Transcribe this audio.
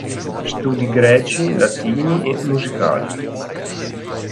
Studi greci, latini e musicali.